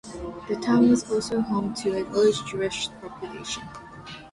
The town was also home to a large Jewish population.